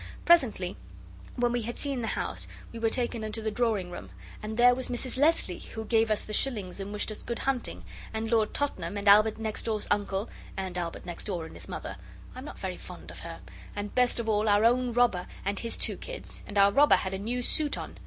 Presently, when we had seen the house, we were taken into the drawing room, and there was Mrs Leslie, who gave us the shillings and wished us good hunting, and Lord Tottenham, and Albert next door's Uncle and Albert next door, and his Mother (I'm not very fond of her), and best of all our own Robber and his two kids, and our Robber had a new suit on.